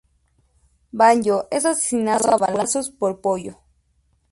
Banjo es asesinado a balazos por Pollo.